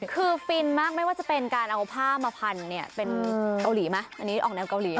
คือฟินมากไม่ว่าจะเป็นการเอาผ้ามาพันเนี่ยเป็นเกาหลีไหมอันนี้ออกแนวเกาหลี